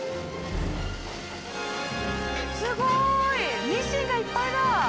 すごい！ミシンがいっぱいだ！